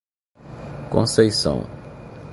Conceição